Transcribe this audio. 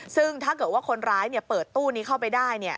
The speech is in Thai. ซึ่งถ้าเกิดว่าคนร้ายเปิดตู้นี้เข้าไปได้